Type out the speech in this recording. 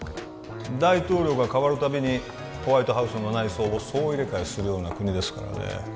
大統領がかわるたびにホワイトハウスの内装を総入れ替えするような国ですからね